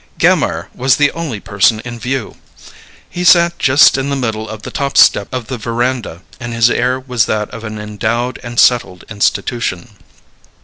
Gammire was the only person in view. He sat just in the middle of the top step of the veranda, and his air was that of an endowed and settled institution.